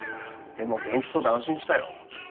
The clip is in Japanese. でも元気そうで安心したよ。